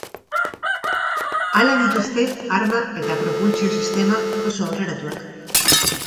Hala dituzte arma eta propultsio sistema oso aurreratuak.